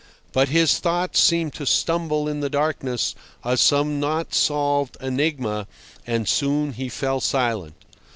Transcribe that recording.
But his thoughts seemed to stumble in the darkness of some not solved enigma, and soon he fell silent.